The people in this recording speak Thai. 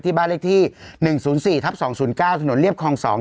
ที่บ้านเลขที่หนึ่งศูนย์สี่ทับสองศูนย์เก้าถนนเลียบคลองสอง